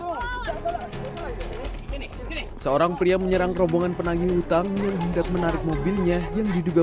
hai seorang pria menyerang robongan penagih utang yang hendak menarik mobilnya yang diduga